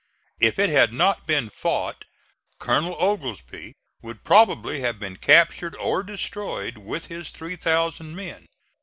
If it had not been fought, Colonel Oglesby would probably have been captured or destroyed with his three thousand men.